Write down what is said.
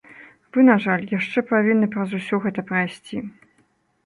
Вы, на жаль, яшчэ павінны праз усё гэта прайсці.